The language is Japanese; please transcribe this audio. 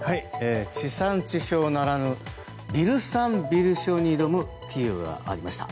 地産地消ならぬビル産ビル消に挑む企業がありました。